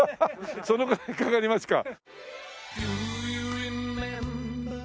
そのぐらいかかりますか。